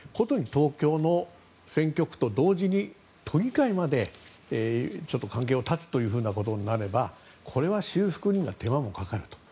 東京の選挙区と同時に都議会まで関係を断つことになればこれは修復には手間がかかると。